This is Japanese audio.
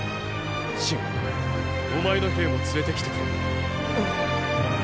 信お前の兵も連れて来てくれ。